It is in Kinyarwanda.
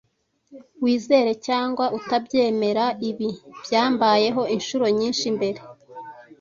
Wizere cyangwa utabyemera, ibi byambayeho inshuro nyinshi mbere.